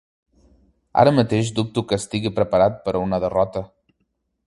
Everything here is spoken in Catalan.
Ara mateix dubto que estigui preparat per a una derrota.